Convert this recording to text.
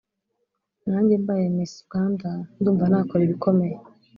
nanjye mbaye Miss Rwanda ndumva nakora ibikomeye